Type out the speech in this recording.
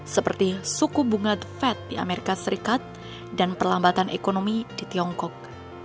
seperti suku bunga the fed di amerika serikat dan perlambatan ekonomi di tiongkok